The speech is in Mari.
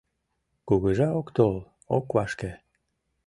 Кугыжа ок тол, ок вашке.